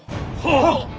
はっ！